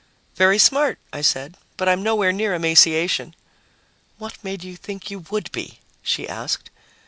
"Very smart," I said, "but I'm nowhere near emaciation." "What made you think you would be?" she asked.